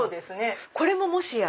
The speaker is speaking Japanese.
これももしや？